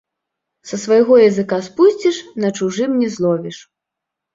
Са свайго языка спусціш — на чужым не зловіш